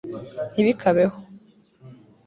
ntibikabeho